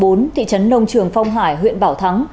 tại tổ dân phố số bốn thị trấn nông trường phong hải huyện bảo thắng